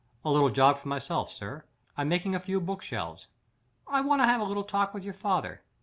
"A little job for myself, sir. I'm making a few bookshelves." "I want to have a little talk with your father.